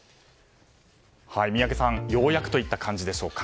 宮家さん、ようやくといった感じでしょうか。